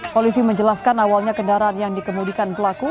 polisi menjelaskan awalnya kendaraan yang dikemudikan pelaku